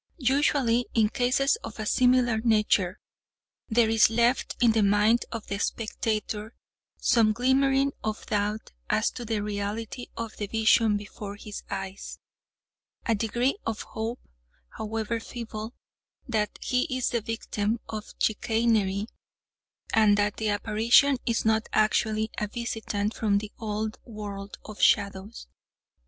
Usually, in cases of a similar nature, there is left in the mind of the spectator some glimmering of doubt as to the reality of the vision before his eyes; a degree of hope, however feeble, that he is the victim of chicanery, and that the apparition is not actually a visitant from the old world of shadows.